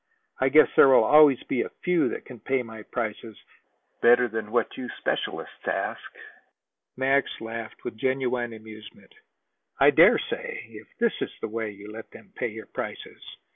"I guess there will always be a few that can pay my prices better than what you specialists ask." Max laughed with genuine amusement. "I dare say, if this is the way you let them pay your prices."